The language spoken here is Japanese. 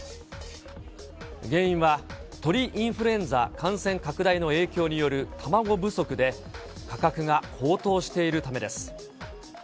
原因は、鳥インフルエンザ感染拡大の影響による卵不足で、価格が高騰しているためです。